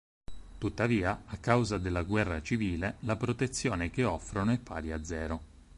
Tuttavia, a causa della guerra civile, la protezione che offrono è pari a zero.